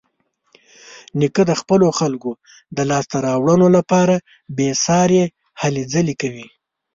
نیکه د خپلو خلکو د لاسته راوړنو لپاره بېسارې هلې ځلې کوي.